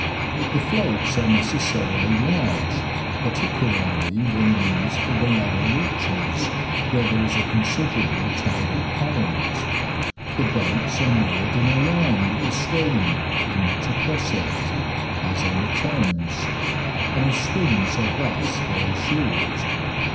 The floats are necessarily large, particularly when used for the lower reaches, where there is a considerable tidal current. The boats are moored in a line with the stream, not across it, as on the Thames, and the swims are thus very short.